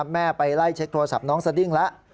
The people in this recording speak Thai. แม่ไปไล่เช็คโทรศัพท์น้องสดิ้งแล้ว